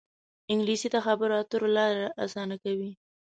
انګلیسي د خبرو اترو لاره اسانه کوي